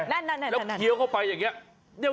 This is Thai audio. นั่นแล้วเคี้ยวเข้าไปอย่างนี้